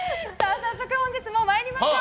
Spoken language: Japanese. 早速本日も参りましょう。